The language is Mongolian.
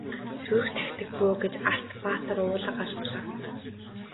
Зүрх тахидаг бөө гэж Арц баатар уулга алдлаа.